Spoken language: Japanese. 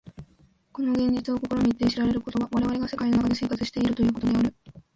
この現実を顧みて知られることは、我々が世界の中で生活しているということである。